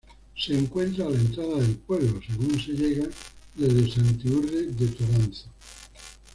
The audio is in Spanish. Se encuentra a la entrada del pueblo, según se llega desde Santiurde de Toranzo.